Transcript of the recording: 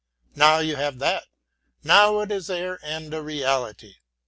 Now you have that, now it is there and a reality.